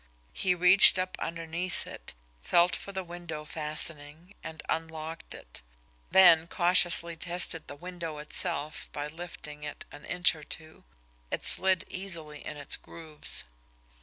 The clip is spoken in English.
He reached up underneath it, felt for the window fastening, and unlocked it; then cautiously tested the window itself by lifting it an inch or two it slid easily in its grooves.